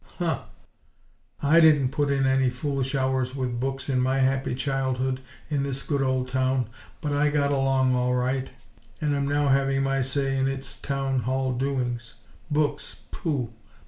"Huh!! I didn't put in any foolish hours with books in my happy childhood in this good old town! But I got along all right; and am now having my say in its Town Hall doings. Books!! Pooh!